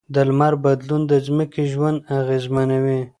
د لمر بدلون د ځمکې ژوند اغېزمنوي.